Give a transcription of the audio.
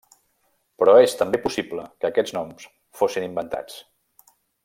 Però és també possible que aquests noms fossin inventats.